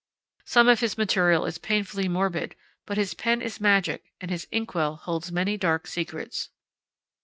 Some of his material is painfully morbid, but his pen is magic and his inkwell holds many dark secrets.